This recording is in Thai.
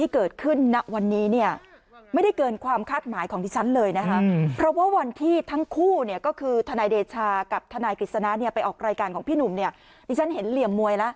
คุณแม่บอกว่าตรำคาญฐานายคนนี้